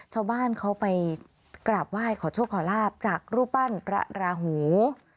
ชาวบ้านเขากลาบว่ายขอโชคก็ลาบจากรูปบ้านบรรราหู